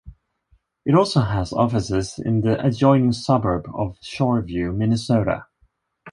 It also has offices in the adjoining suburb of Shoreview, Minnesota.